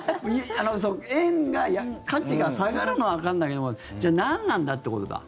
円が、価値が下がるのはわかるんだけどじゃあ何なんだってことだ。